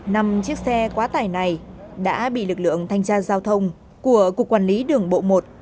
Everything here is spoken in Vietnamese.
năm chiếc xe quá tải này đã bị lực lượng thanh tra giao thông của cục quản lý đường bộ một